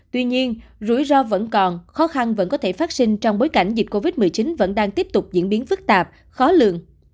tuy nhiên rủi ro vẫn còn khó khăn vẫn có thể phát sinh trong bối cảnh dịch covid một mươi chín vẫn đang tiếp tục diễn biến phức tạp khó lường